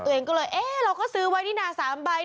ตัวเองก็เลยเอ๊ะเราก็ซื้อไว้นี่นา๓ใบ